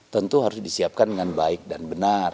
tentu harus disiapkan dengan baik dan benar